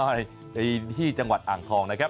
ดูกันหน่อยที่จังหวัดอ่างทองนะครับ